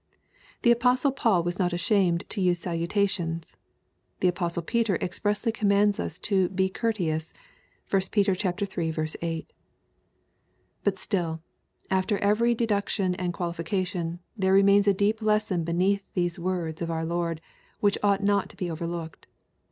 The apostle Paul was not ashamed to use salutations. The apostle Peter expressly commands us to " be courteous." (1 Pet. iii. 8.) But still, after every deduction and qualification, there remains a deep lesson beneath these words of our Lord, which ought not to be overlooked.